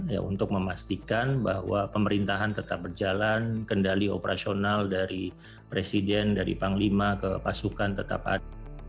ya untuk memastikan bahwa pemerintahan tetap berjalan kendali operasional dari presiden dari panglima ke pasukan tetap ada